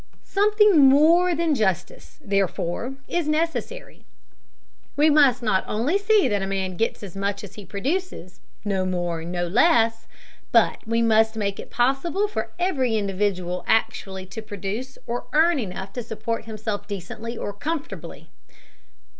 Something more than justice, therefore, is necessary. We must not only see that a man gets as much as he produces, no more, no less, but we must make it possible for every individual actually to produce or earn enough to support himself decently or comfortably.